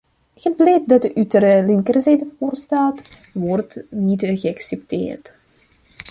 Het beleid dat u ter linkerzijde voorstaat, wordt niet geaccepteerd.